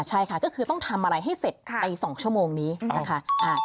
ใช่ค่ะก็คือต้องทำอะไรให้เสร็จใน๒ชั่วโมงนี้นะคะ